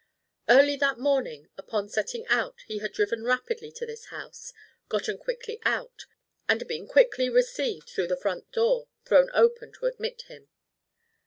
Early that morning upon setting out he had driven rapidly to this house, gotten quickly out, and been quickly received through the front door thrown open to admit him.